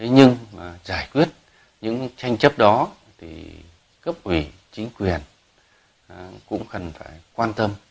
nhưng mà giải quyết những tranh chấp đó thì cấp ủy chính quyền cũng cần phải quan tâm